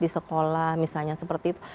di sekolah misalnya seperti itu